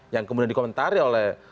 yang kemudian dikomentari oleh